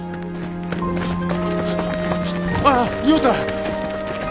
ああ亮太。